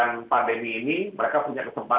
dan mudah mudahan dengan pandemi ini mereka punya kesempatan